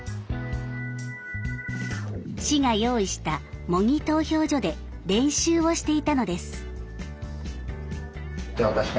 市が用意した模擬投票所で練習をしていたのです。